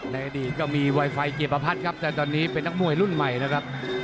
ในอดีตก็มีไวไฟเกียรติประพัฒน์ครับแต่ตอนนี้เป็นนักมวยรุ่นใหม่นะครับ